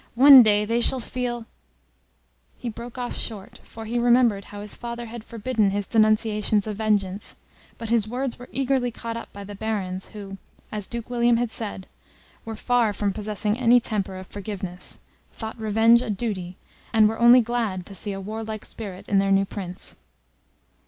One day they shall feel " He broke off short, for he remembered how his father had forbidden his denunciations of vengeance, but his words were eagerly caught up by the Barons, who, as Duke William had said, were far from possessing any temper of forgiveness, thought revenge a duty, and were only glad to see a warlike spirit in their new Prince.